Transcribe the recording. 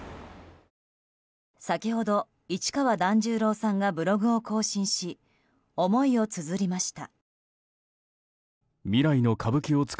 先ほど、市川團十郎さんがブログを更新し思いをつづりました。